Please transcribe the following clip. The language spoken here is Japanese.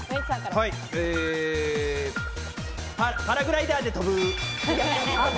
パラグライダーで飛ぶ。